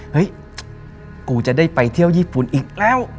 เฮ้ยกูจะได้ไปเที่ยวญี่ปุ่นอีกแล้ว